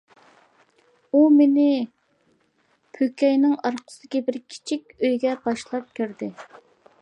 ئۇ مېنى پوكەينىڭ ئارقىسىدىكى بىر كىچىك ئۆيگە باشلاپ كىردى.